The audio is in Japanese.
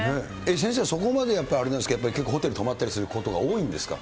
先生はそこまであれなんですか、結構ホテル泊まったりすることが多いんですか？